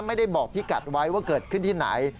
ไม่ได้บอกพี่กัดไว้ว่าเกิดขึ้นที่ไหน